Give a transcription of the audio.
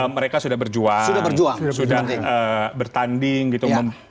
mereka sudah berjuang sudah bertanding gitu